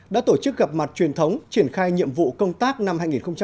đã tổ chức gặp mặt truyền thống triển khai nhiệm vụ công tác năm hai nghìn một mươi bảy